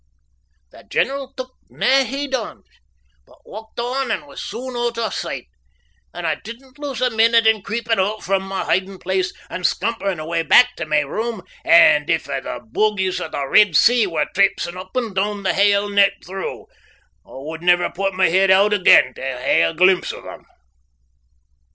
The general tuk nae heed o't, but walked on and was soon oot o' sicht, and I didna lose a minute in creepin' oot frae my hidin' place and scamperin' awa' back tae my room, and if a' the bogies in the Red Sea were trapesin' up and doon the hale nicht through, I wud never put my heid oot again tae hae a glimpse o' them.